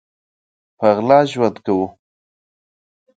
په غلا ژوند کوو